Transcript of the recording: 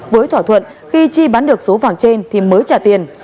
với thỏa thuận khi chi bán được số vàng trên thì mới trả tiền